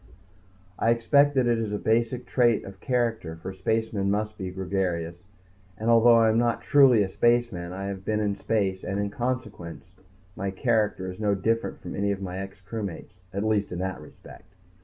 I expect that it is a basic trait of character, for spacemen must be gregarious, and although I am not truly a spaceman I have been in space and, in consequence, my character is no different from my ex crewmates at least in that respect.